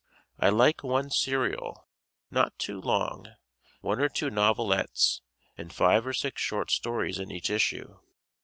I like one serial (not too long), one or two novelettes, and five or six short stories in each issue.